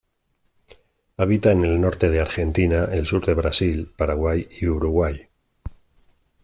Habita en el norte de Argentina, el sur de Brasil, Paraguay y Uruguay.